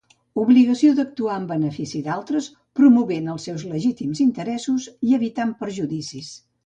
Obligació d'actuar en benefici d'altres, promovent els seus legítims interessos i evitant perjudicis.